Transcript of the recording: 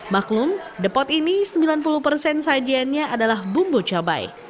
maklum depot ini sembilan puluh persen sajiannya adalah bumbu cabai